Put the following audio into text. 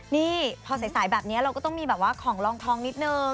นี่พอสายแบบนี้เราก็ต้องมีแบบว่าของลองทองนิดนึง